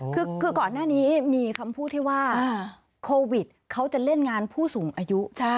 คือก่อนหน้านี้มีคำพูดที่ว่าโควิดเขาจะเล่นงานผู้สูงอายุ